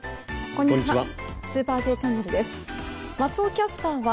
こんにちは。